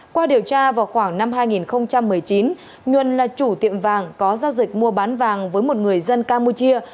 qua điều tra vào khoảng năm hai nghìn một mươi chín nhuần là chủ tiệm vàng có giao dịch mua bán vàng với một người dân campuchia